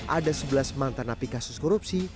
ada sebelas mantan napi kasus korupsi